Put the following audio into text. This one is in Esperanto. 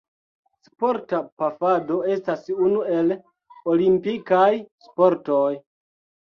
Sporta pafado estas unu el olimpikaj sportoj.